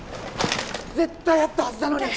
絶対あったはずなのに！